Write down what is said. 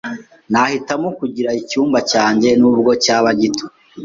Nahitamo kugira icyumba cyanjye, nubwo cyaba gito.